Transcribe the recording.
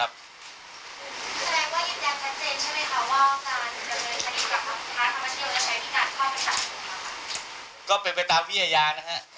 ว่าการตำเนียงการเปลี่ยนตามถามพุทธภาคของเที่ยว